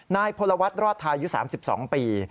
นายพลวัฒน์รอดทายุ๓๒ปี